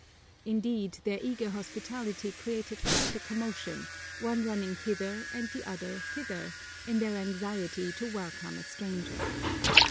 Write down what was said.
Indeed their eager hospitality created quite a commotion, one running hither and the other thither in their anxiety to welcome a stranger.